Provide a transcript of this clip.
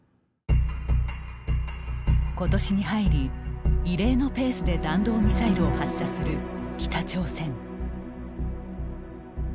ことしに入り、異例のペースで弾道ミサイルを発射する北朝鮮。